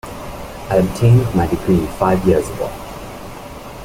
I obtained my degree five years ago.